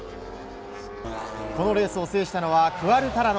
このレースを制したのはクアルタラロ。